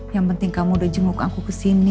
yang penting kamu udah jenguk aku kesini